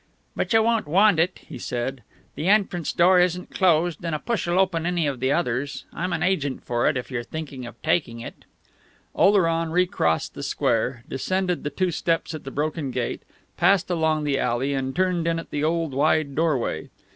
"But you won't want it," he said. "The entrance door isn't closed, and a push'll open any of the others. I'm a agent for it, if you're thinking of taking it " Oleron recrossed the square, descended the two steps at the broken gate, passed along the alley, and turned in at the old wide doorway.